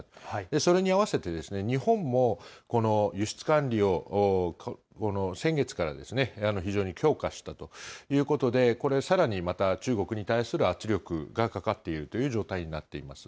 それにあわせて、日本も、輸出管理を先月から非常に強化したということで、これ、さらにまた中国に対する圧力がかかっているという状態になっています。